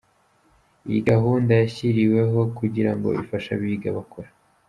Iyi gahunda yashyiriweho kugira ngo ifashe abiga bakora.